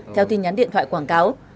theo tin nhắn điện thoại quảng cáo